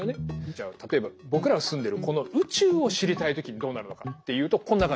じゃあ例えば僕らが住んでるこの宇宙を知りたい時にどうなるのかっていうとこんな感じです。